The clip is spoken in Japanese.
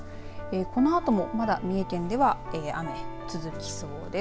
このあともまだ三重県では雨続きそうです。